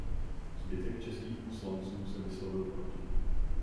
Zbytek českých poslanců se vyslovil proti.